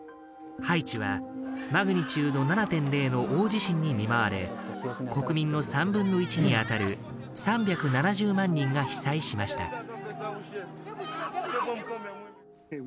ハイチはマグニチュード７．０の大地震に見舞われ国民の３分の１にあたる３７０万人が被災しました。